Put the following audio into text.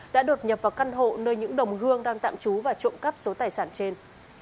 đã đột nhập vào căn hộ nơi những đồng hương đang tạm trú và trộm cắp số tài sản trên